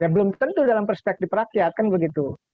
belum tentu dalam perspektif rakyat kan begitu